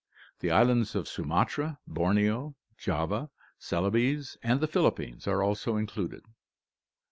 The islands of Sumatra, Borneo, Java, Celebes, and the Philippines are also included.